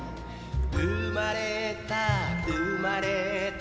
生まれた生まれた